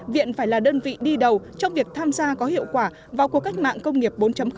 viện phải là đơn vị đi đầu trong việc tham gia có hiệu quả vào cuộc cách mạng công nghiệp bốn